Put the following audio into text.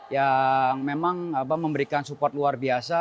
yang memang memberikan support luar biasa